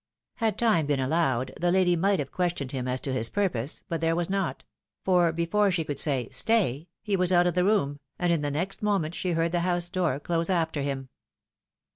Had time been allowed, the lady might have questioned him as to his purpose, but there was not ; for before she could say " Stay !" he was out of the room, and in the next moment she heard the house door close after him.